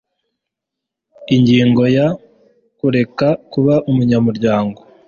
Ingingo ya Kureka kuba umunyamuryango